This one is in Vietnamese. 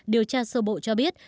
điều tra sơ bộ cho biết